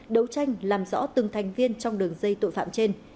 đấu tranh làm rõ từng thành viên trong đường dây tội phạm trên